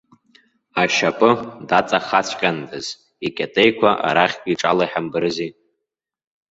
Ашьапы даҵахаҵәҟьандаз, икьатеиқәа арахь иҿала иҳамбарызи.